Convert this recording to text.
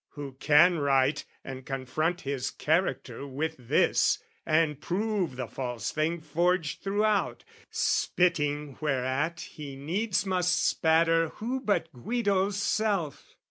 Who can write and confront his character With this, and prove the false thing forged throughout: Spitting whereat he needs must spatter who But Guido's self?